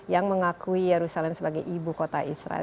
yang mengakui yerusalem sebagai ibu kota israel